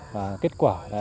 và kết quả là